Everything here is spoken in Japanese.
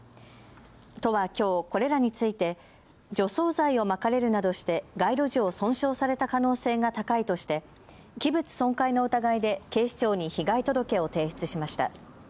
都はきょう、これらについて除草剤をまかれるなどして街路樹を損傷された可能性が高いとして器物損壊の疑いで警視庁に被害届を提出しました。